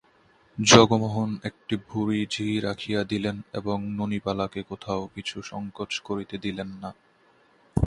জগমোহন একটি বুড়ি ঝি রাখিয়া দিলেন এবং ননিবালাকে কোথাও কিছু সংকোচ করিতে দিলেন না।